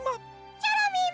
チョロミーも！